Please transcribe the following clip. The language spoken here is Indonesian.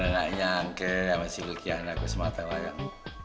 bener ga nyangke sama si lukian aku semata layang